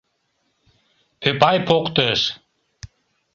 — Пӧпай поктыш!